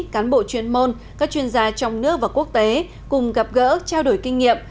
cán bộ chuyên môn các chuyên gia trong nước và quốc tế cùng gặp gỡ trao đổi kinh nghiệm